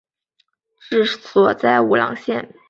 治所在武郎县。